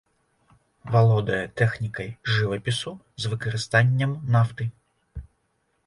Валодае тэхнікай жывапісу з выкарыстаннем нафты.